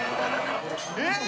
えっ！